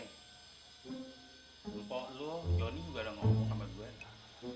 lupa lo johnny juga ada ngomong sama gua ya